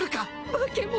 化け物。